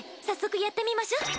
早速やってみましょ！